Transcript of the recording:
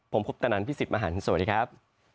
ผมพบตนันพี่สิบมหานสวัสดีครับ